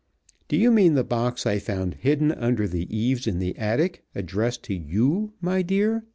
"Do you mean the box I found hidden under the eaves in the attic, addressed to you, my dear?"